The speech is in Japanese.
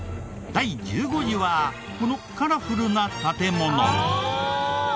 第１５位はこのカラフルな建もの。